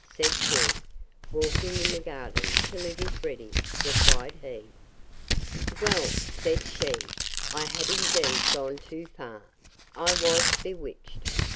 said she.—Walking in the garden till it is ready, replied he. Well, said she, I have indeed gone too far. I was bewitched!